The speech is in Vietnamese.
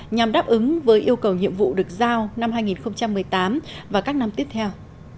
nhằm đáp ứng với yêu cầu nhiệm vụ được giao năm hai nghìn một mươi tám và các năm tiếp theo